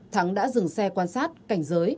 thắng đã dừng xe quan sát cảnh giới